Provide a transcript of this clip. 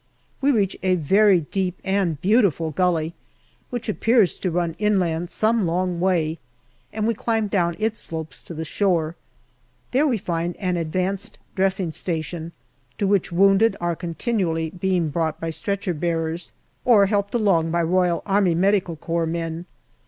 We reach a very deep and beautiful gully, which appears to run inland some long way, and we climb down its slopes to the shore. There we find an advanced dressing station, to which wounded are continually being brought by stretcher bearers, or helped along by R.A.M.C. men.